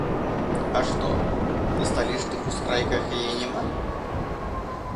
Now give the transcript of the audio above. А што, на сталічных ускрайках яе няма?